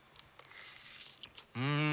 うん！